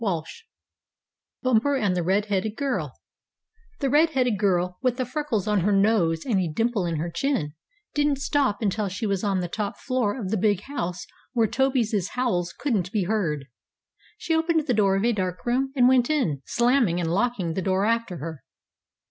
STORY V BUMPER AND THE RED HEADED GIRL The red headed girl, with the freckles on her nose, and a dimple in her chin, didn't stop until she was on the top floor of the big house where Toby's howls couldn't be heard. She opened the door of a dark room, and went in, slamming and locking the door after her.